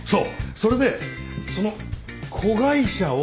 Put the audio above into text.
それでその子会社を。